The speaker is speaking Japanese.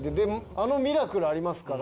あのミラクルありますから。